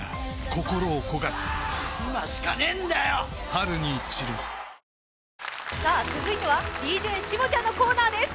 このあとは続いてはＤＪしもちゃんのコーナーです。